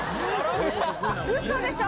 ウソでしょ？